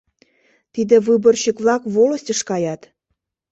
Тиде выборщик-влак волостьыш каят.